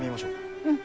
うん。